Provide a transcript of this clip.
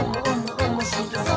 おもしろそう！」